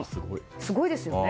すごいですよね。